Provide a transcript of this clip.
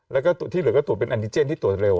แล้วก็ที่เหลือก็ตรวจเป็นแอนิเจนที่ตรวจเร็ว